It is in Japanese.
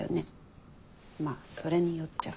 まあそれによっちゃさ。